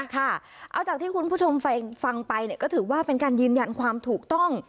ค่ะเอาจากที่คุณผู้ชมฟังไปก็ถือว่าเป็นการยืนยันความถูกต้อง